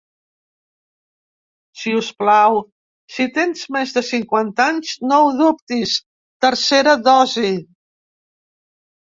Si us plau, si tens més de cinquanta anys, no ho dubtis, tercera dosi.